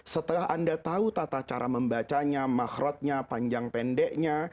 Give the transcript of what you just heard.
setelah anda tahu tata cara membacanya makhrotnya panjang pendeknya